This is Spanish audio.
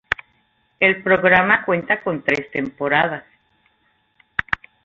El programa cuenta con tres temporadas.